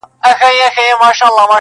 د سپوږمۍ سره یې پټ د میني راز دی،